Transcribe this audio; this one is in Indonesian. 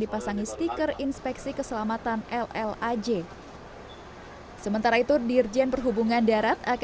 dipasangi stiker inspeksi keselamatan llaj sementara itu dirjen perhubungan darat akan